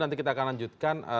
nanti kita akan lanjutkan